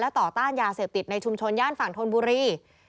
ต่อต้านยาเสพติดในชุมชนย่านฝั่งธนบุรี